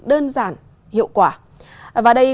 đơn giản hiệu quả và đây